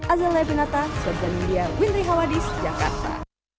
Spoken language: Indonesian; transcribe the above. azalea binata serga media windri hawadis jakarta